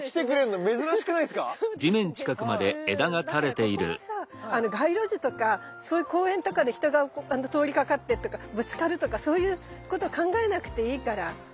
だからここはさ街路樹とか公園とかで人が通りかかってっていうかぶつかるとかそういうこと考えなくていいから。